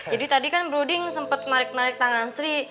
jadi tadi kan broding sempet narik narik tangan sri